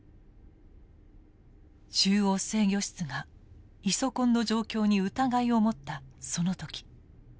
中央制御室がイソコンの状況に疑いを持ったその時。